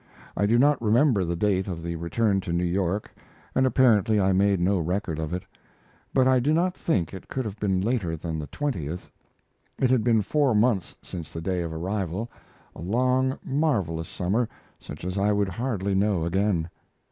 I do not remember the date of the return to New York, and apparently I made no record of it; but I do not think it could have been later than the 20th. It had been four months since the day of arrival, a long, marvelous summer such as I would hardly know again.